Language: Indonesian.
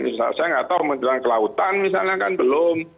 saya nggak tahu kementerian kelautan misalnya kan belum